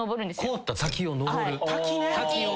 凍った滝を登る？